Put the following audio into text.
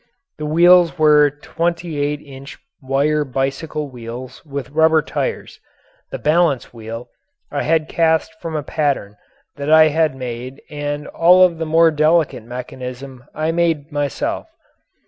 The wheels were twenty eight inch wire bicycle wheels with rubber tires. The balance wheel I had cast from a pattern that I made and all of the more delicate mechanism I made myself.